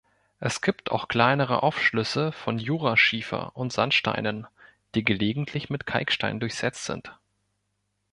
Es gibt auch kleinere Aufschlüsse von Jura-Schiefer und -Sandsteinen, die gelegentlich mit Kalkstein durchsetzt sind.